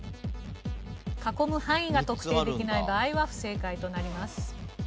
囲む範囲が特定できない場合は不正解となります。